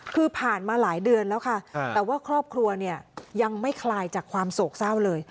คือผ่านมาหลายเดือนแล้วค่ะแต่ว่าครอบครัวเนี่ยยังไม่คลายจากความโศกเศร้าเลย